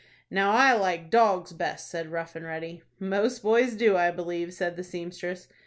"Now I like dogs best," said Rough and Ready. "Most boys do, I believe," said the seamstress.